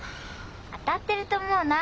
当たってると思うな。